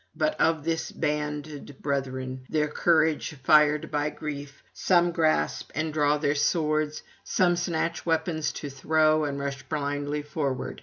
But of his banded brethren, their courage fired by grief, some grasp and draw their swords, some snatch weapons to throw, and rush blindly forward.